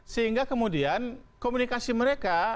sehingga kemudian komunikasi mereka